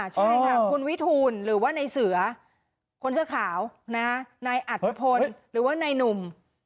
ใช่ค่ะคุณวิทูลหรือว่าในเสือคนเสื้อขาวนายอัตภพลหรือว่านายหนุ่ม